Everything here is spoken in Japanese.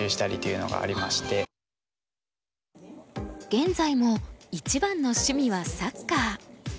現在も一番の趣味はサッカー。